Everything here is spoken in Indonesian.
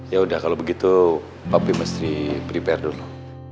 yaudah kalau begitu papi mesti beri pair dulu